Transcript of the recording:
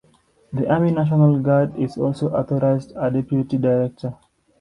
The Army National Guard is also authorized a deputy director.